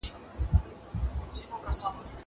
زه د تکړښت لپاره تللي دي!!